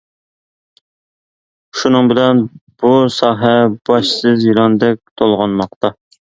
شۇنىڭ بىلەن بۇ ساھە باشسىز يىلاندەك تولغانماقتا.